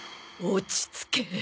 落ち着け。